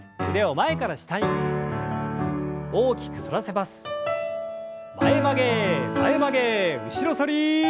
前曲げ前曲げ後ろ反り。